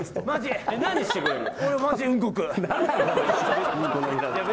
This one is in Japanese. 何してくれるの？